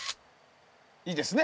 いいですね。